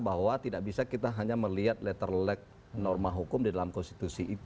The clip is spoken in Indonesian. bahwa tidak bisa kita hanya melihat letter lag norma hukum di dalam konstitusi itu